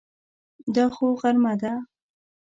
دا خو غرمه ده!